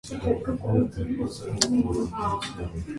Tapes and Freedom From.